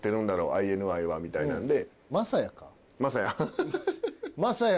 ＩＮＩは」みたいなんで。